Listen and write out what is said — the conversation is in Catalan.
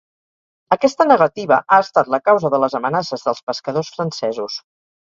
Aquesta negativa ha estat la causa de les amenaces dels pescadors francesos.